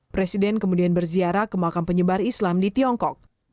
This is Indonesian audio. presiden kemudian berziarah ke makam penyebar islam di tiongkok